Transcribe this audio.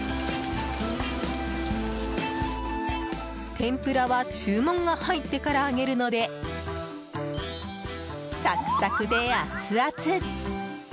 天ぷらは、注文が入ってから揚げるのでサクサクでアツアツ！